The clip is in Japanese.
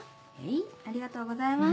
ありがとうございます。